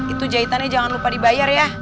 itu jahitannya jangan lupa dibayar ya